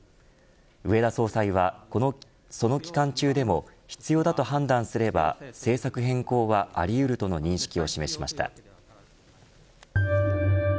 植田総裁はその期間中でも必要だと判断すれば政策変更はありうるとの認識を示しました。